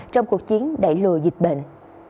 trong cuộc chiến đẩy lùa dịch bệnh